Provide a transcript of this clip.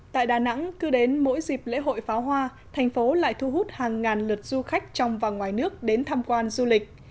tại đà nẵng cứ đến mỗi dịp lễ hội pháo hoa thành phố lại thu hút hàng ngàn lượt du khách trong và ngoài nước đến tham quan du lịch